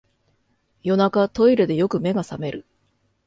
夜中、トイレでよく目が覚める